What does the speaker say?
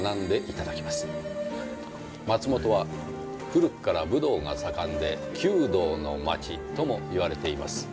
松本は古くから武道が盛んで弓道の町ともいわれています。